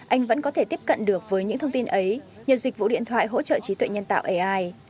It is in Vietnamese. anh vẫn có thể tiếp cận được với những thông tin ấy như dịch vụ điện thoại hỗ trợ trí tuệ nhân tạo ai